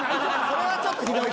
それはちょっとひどい。